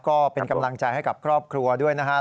ก็เป็นกำลังใจให้กับครอบครัวด้วยนะครับ